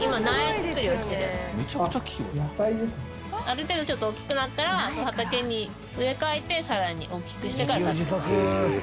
ある程度ちょっと大きくなったら畑に植え替えてさらに大きくしてから。